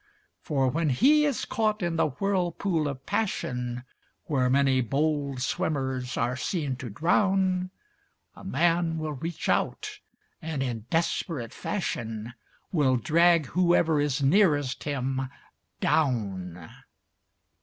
For when he is caught in the whirlpool of passion, Where many bold swimmers are seen to drown, A man will reach out and, in desperate fashion, Will drag whoever is nearest him down.